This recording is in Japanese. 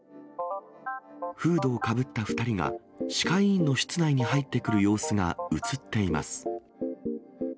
フードをかぶった２人は、歯科医院の室内に入ってくる様子が写っています。